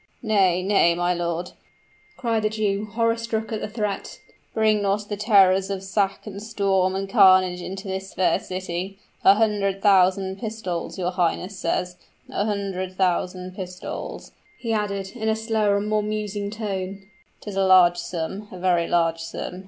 "Nay nay, my lord!" cried the Jew, horror struck at the threat; "bring not the terrors of sack, and storm, and carnage into this fair city! A hundred thousand pistoles, your highness says, a hundred thousand pistoles," he added, in a slower and more musing tone; "'tis a large sum a very large sum!